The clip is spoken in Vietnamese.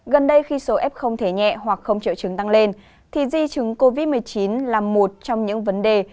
gần đây khi số f không thể nhẹ hoặc không triệu chứng tăng lên thì di chứng covid một mươi chín là một trong những vấn đề